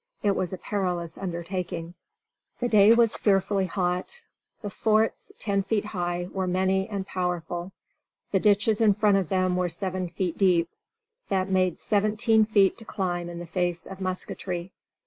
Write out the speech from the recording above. It was a perilous undertaking. The day was fearfully hot; the forts, ten feet high, were many and powerful; the ditches in front of them were seven feet deep. That made seventeen feet to climb in the face of musketry.